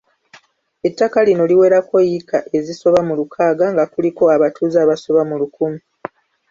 Ettaka lino liwerako yiika ezisoba mu lukaaga nga kuliko abatuuze abasoba mu lukumi.